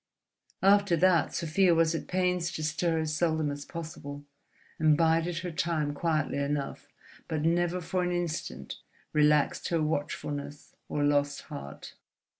After that Sofia was at pains to stir as seldom as possible, and bided her time quietly enough, but never for an instant relaxed her watchfulness or lost heart.